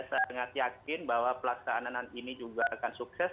saya sangat yakin bahwa pelaksanaan ini juga akan sukses